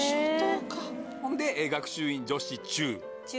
ほんで学習院女子中。